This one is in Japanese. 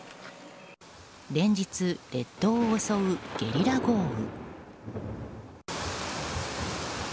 連日列島を襲うゲリラ豪雨。